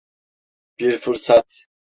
Bir fırsat.